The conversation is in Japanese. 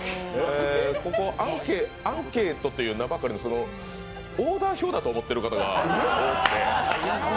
ここアンケートという名ばかりのオーダー表だと思っている方が多くて。